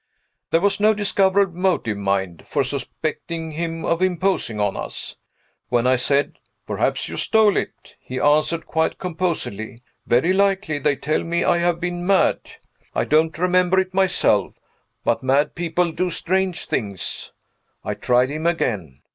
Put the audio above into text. There was no discoverable motive, mind, for suspecting him of imposing on us. When I said, "Perhaps you stole it?" he answered quite composedly, "Very likely; they tell me I have been mad; I don't remember it myself; but mad people do strange things." I tried him again.